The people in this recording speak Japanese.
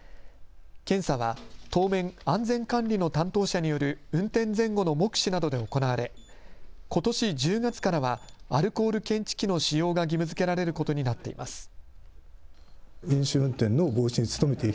検査は当面、安全管理の担当者による運転前後の目視などで行われことし１０月からはアルコール検知器の使用が義務づけられることになっています。